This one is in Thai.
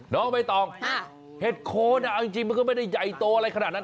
น้องใบตองเห็ดโคนเอาจริงมันก็ไม่ได้ใหญ่โตอะไรขนาดนั้น